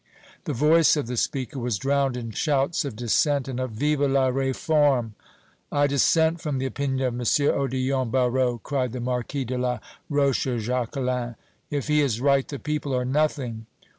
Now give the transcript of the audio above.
The voice of the speaker was drowned in shouts of dissent and of "Vive la Réforme!" "I dissent from the opinion of M. Odillon Barrot!" cried the Marquis de la Rochejacquelin. "If he is right, the people are nothing!"